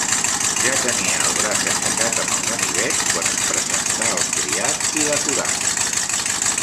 Ja tenia el braç aixecat amb el ganivet, quan es presentà el criat i l'aturà.